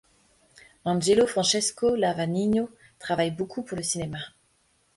Angelo Francesco Lavagnino travailla beaucoup pour le cinéma.